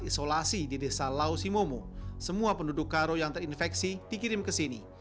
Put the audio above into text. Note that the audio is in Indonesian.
isolasi di desa lausimomo semua penduduk karo yang terinfeksi dikirim ke sini